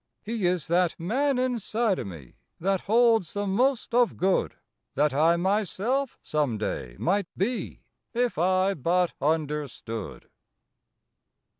He is that man inside o me That holds the most of good That I myself some day might be If I but understood.